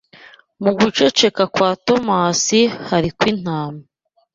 Mu guceceka kwa Tomasi Hari kwintama